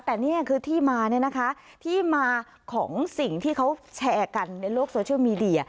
แต่นี่คือที่มาเนี่ยนะคะที่มาของสิ่งที่เขาแชร์กันในโลกโซเชียลมีเดีย